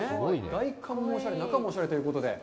外観もおしゃれ、中もおしゃれということで。